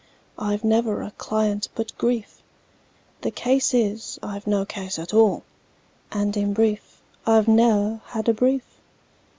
I've never a client but grief: The case is, I've no case at all, And in brief, I've ne'er had a brief!